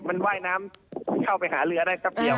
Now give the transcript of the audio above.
มันว่ายน้ำเข้าไปหาเรือได้แป๊บเดียว